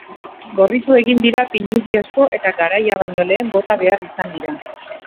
Gorritu egin dira pinudi asko eta garaia baino lehen bota behar izan dira.